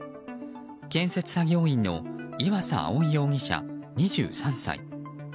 建設作業員の岩佐葵容疑者２３歳。